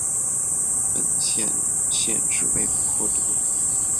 本县县治为波托。